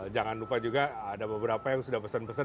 jangan lupa juga ada beberapa yang sudah pesen pesen